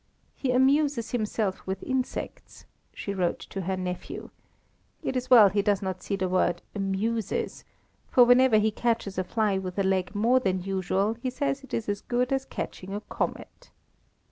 "He amuses himself with insects," she wrote to her nephew; "it is well he does not see the word amuses, for whenever he catches a fly with a leg more than usual, he says it is as good as catching a comet."